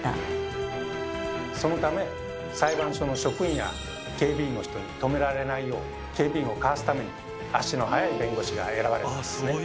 そのため裁判所の職員や警備員の人に止められないよう警備員をかわすために足の速い弁護士が選ばれたんですね。